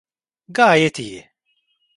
Gayet iyi.